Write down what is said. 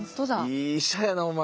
いい医者やなお前。